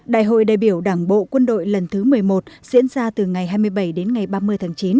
đại hội đại biểu đảng bộ quân đội lần thứ một mươi một diễn ra từ ngày hai mươi bảy đến ngày ba mươi tháng chín